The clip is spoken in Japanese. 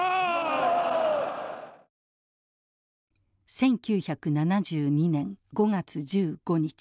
１９７２年５月１５日。